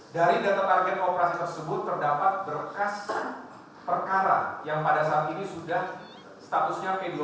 dari data target operasi tersebut terdapat berkas perkara yang pada saat ini sudah statusnya p dua puluh